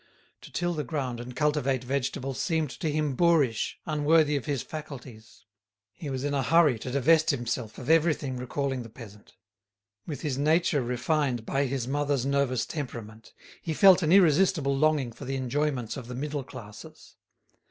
To till the ground and cultivate vegetables seemed to him boorish, unworthy of his faculties. He was in a hurry to divest himself of everything recalling the peasant. With his nature refined by his mother's nervous temperament, he felt an irresistible longing for the enjoyments of the middle classes.